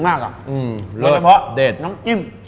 สำหรับน้ำจิ้ม